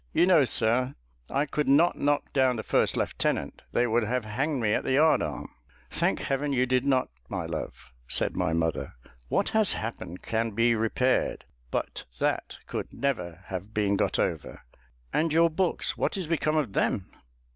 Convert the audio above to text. You know, sir, I could not knock down the first lieutenant: they would have hanged me at the yard arm." "Thank Heaven, you did not, my love," said my mother; "what has happened can be repaired, but that could never have been got over. And your books, what is become of them?"